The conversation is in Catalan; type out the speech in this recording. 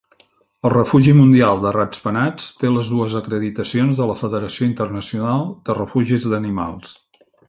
El refugi mundial de rats-penats té les dues acreditacions de la Federació internacional de refugis d'animals.